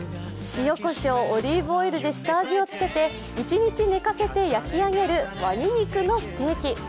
塩こしょう、オリーブオイルで下味をつけて１日寝かせて焼き上げるワニ肉のステーキ。